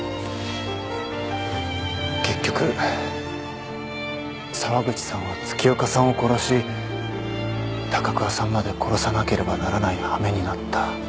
結局沢口さんは月岡さんを殺し高桑さんまで殺さなければならない羽目になった。